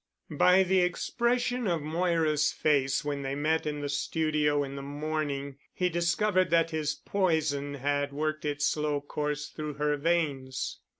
By the expression of Moira's face when they met in the studio in the morning, he discovered that his poison had worked its slow course through her veins.